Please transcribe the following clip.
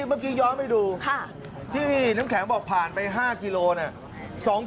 เมื่อกี้ย้อนไปดูที่น้ำแข็งบอกผ่านไป๕กิโลเนี่ย